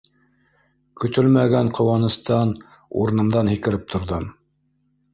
— Көтөлмәгән ҡыуаныстан урынымдан һикереп торҙом.